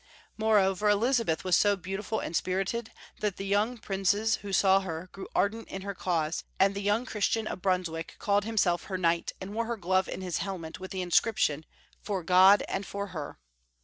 Moreover, Elizabeth was so beautiful and spirited, that' the young princes who saw her grew ardent in her cause, and the young Christian of Bruns wick called liimself her knight, and wore her glove in liis helmet, with the inscription. " For God and for her."